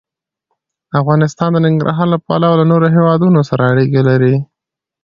افغانستان د ننګرهار له پلوه له نورو هېوادونو سره اړیکې لري.